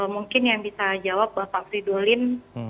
mungkin yang bisa jawab pak fridolin